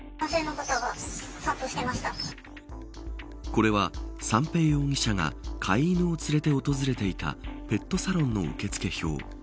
これは、三瓶容疑者が飼い犬を連れて訪れていたペットサロンの受付票。